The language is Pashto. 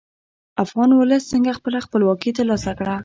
افغان ولس څنګه خپله خپلواکي تر لاسه کړه؟